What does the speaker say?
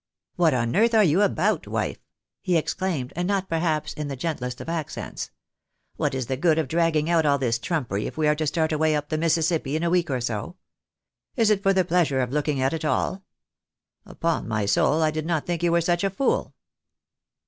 " What on earth are you about, wife ?" he exclaimed, and not, perhaps, in the gentlest of accents. " What is the good of dragging oixt all this trumpery if we are to start away up the Mississippi in a week or so ? Is it for the pleasure of looking at it all ? Upon my soul, I did not think you were such a fool."